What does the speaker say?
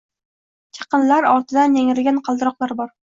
Chaqinlar ortidan yangragan qaldiroqlar bor.